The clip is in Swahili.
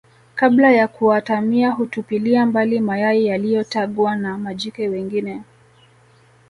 kabla ya kuatamia hutupilia mbali mayai yaliyotagwa na majike wengine